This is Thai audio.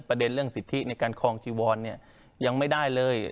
ประเด็นเรื่องสิทธิในการคลองจีวรยังไม่ได้เลย